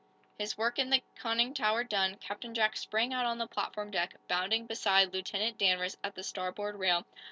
His work in the conning tower done, Captain Jack sprang out on the platform deck, bounding beside Lieutenant Danvers at the starboard rail.